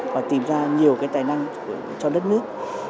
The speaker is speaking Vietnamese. và tìm ra nhiều cái tài năng cho đất nước